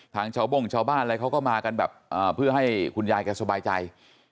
ชาวโบ้งชาวบ้านอะไรเขาก็มากันแบบเพื่อให้คุณยายแกสบายใจ